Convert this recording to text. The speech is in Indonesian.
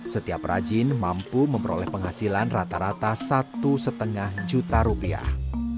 setiap rajin mampu memperoleh penghasilan rata rata satu lima juta rupiah